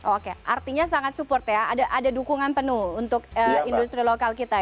oke artinya sangat support ya ada dukungan penuh untuk industri lokal kita ya